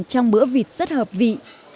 trong bữa vịt rất hợp vị